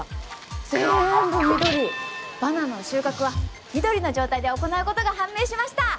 バナナの収穫は緑の状態で行うことが判明しました！